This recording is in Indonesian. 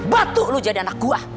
batu lu jadi anak gua